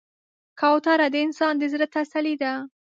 کوتره د انسان د زړه تسلي ده.